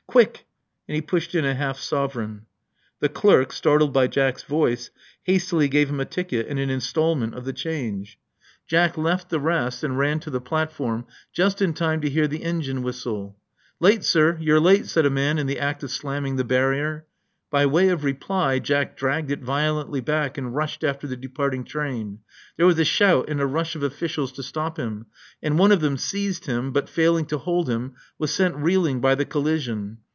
Quick. " And he pushed in a half sovereign. The clerk, startled by Jack's voice, hastily gave him a ticket and an instalment of the change. Jack left Love Among the Artists 57 the rest, and ran to the platform just in time to hear the engine whistle. '*Late, sir. You're late," said a man in the act of slamming the barrier. By way of reply, Jack dragged it violently back and rushed after the departing train. There was a shout and a rush of officials to stop him; and one of them seized him, but, failing to hold him, was sent reeling by the collision.